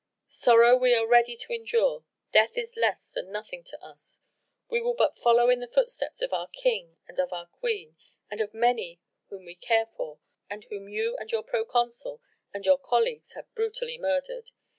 Sorrow we are ready to endure death is less than nothing to us we will but follow in the footsteps of our King and of our Queen and of many whom we care for and whom you and your proconsul and your colleagues have brutally murdered.